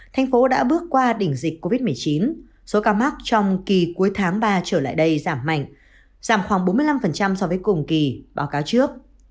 thành phố đã bước qua đỉnh dịch covid một mươi chín số ca mắc trong kỳ cuối tháng ba trở lại đây giảm mạnh giảm khoảng bốn mươi năm so với cùng kỳ báo cáo trước